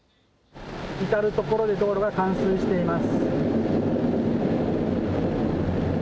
至る所で道路が冠水しています。